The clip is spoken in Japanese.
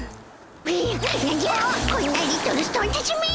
何じゃこんなリトルストーンたちめ！